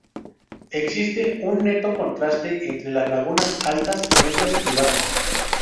Existe un neto contraste entre las lagunas "altas", "medias" y "bajas".